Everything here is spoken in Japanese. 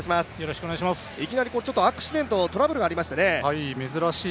いきなりアクシデント、トラブルがありましたね。